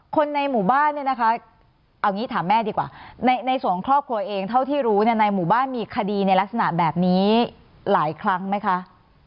คนในหมู่บ้านเนี่ยนะคะเอางี้ถามแม่ดีกว่าในส่วนของครอบครัวเองเท่าที่รู้ในหมู่บ้านมีคดีในลักษณะแบบนี้หลายครั้งไหมคะ